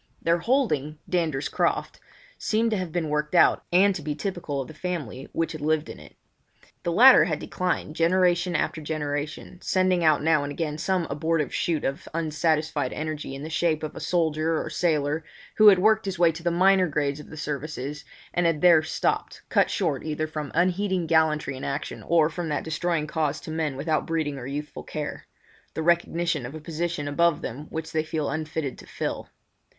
Their holding, Dander's Croft, seemed to have been worked out, and to be typical of the family which had inhabited it. The latter had declined generation after generation, sending out now and again some abortive shoot of unsatisfied energy in the shape of a soldier or sailor, who had worked his way to the minor grades of the services and had there stopped, cut short either from unheeding gallantry in action or from that destroying cause to men without breeding or youthful care—the recognition of a position above them which they feel unfitted to fill.